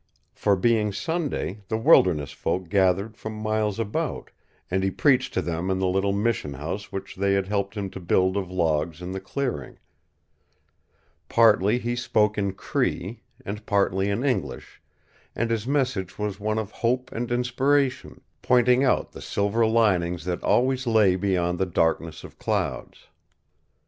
For, being Sunday, the wilderness folk gathered from miles about, and he preached to them in the little mission house which they had helped him to build of logs in the clearing. Partly he spoke in Cree, and partly in English, and his message was one of hope and inspiration, pointing out the silver linings that always lay beyond the darkness of clouds.